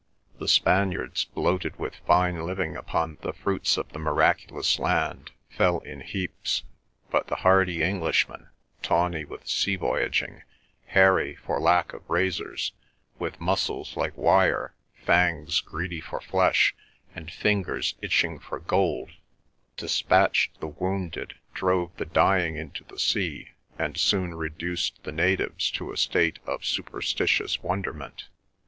The Spaniards, bloated with fine living upon the fruits of the miraculous land, fell in heaps; but the hardy Englishmen, tawny with sea voyaging, hairy for lack of razors, with muscles like wire, fangs greedy for flesh, and fingers itching for gold, despatched the wounded, drove the dying into the sea, and soon reduced the natives to a state of superstitious wonderment.